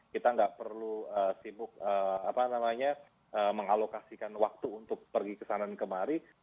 kita nggak perlu sibuk mengalokasikan waktu untuk pergi ke sana dan kemari